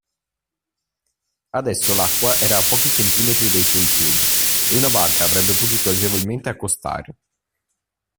Adesso l'acqua era a pochi centimetri dai suoi piedi e una barca avrebbe potuto agevolmente accostare.